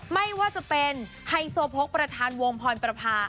ไม่ว่าจะเป็นไฮโซโพกประธานวงพรประพา